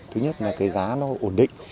thứ nhất là cái giá nó ổn định